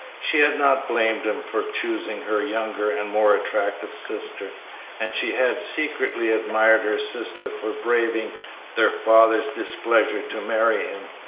She had not blamed him for choosing her younger and more attractive sister, and she had secretly admired her sister for braving their father's displeasure to marry him.